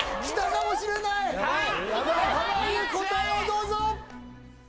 濱家答えをどうぞ！